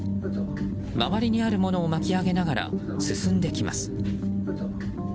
周りにあるものを巻き上げながら進んできます。